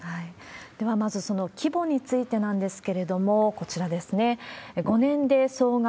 では、まずその規模についてなんですけれども、こちらですね、５年で総額